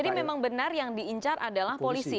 jadi memang benar yang diincar adalah polisi